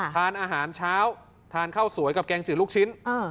ทานอาหารเช้าทานข้าวสวยกับแกงจืดลูกชิ้น